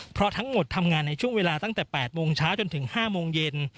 เพราะทั้งหมดทำงานในช่วงเวลาตั้งแต่๘โมงเช้าจนถึง๕โมงเย็น